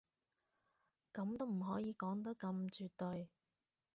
噉都唔可以講得咁絕對